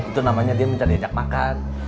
itu namanya dia minta diajak makan